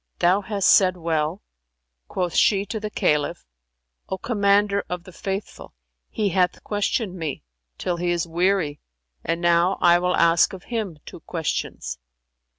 "Thou hast said well," quoth she to the Caliph, "O Commander of the Faithful, he hath questioned me, till he is weary, and now I will ask of him two questions.